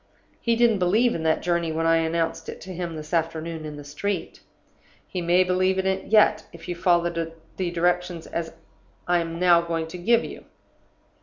He didn't believe in that journey when I announced it to him this afternoon in the street. He may believe in it yet, if you follow the directions I am now going to give you.